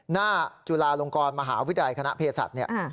หน้าจุฬาลงกรมหาวิทยาลัยคณะเพศศัตริย์